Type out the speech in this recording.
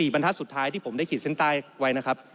บรรทัศน์สุดท้ายที่ผมได้ขีดเส้นใต้ไว้นะครับ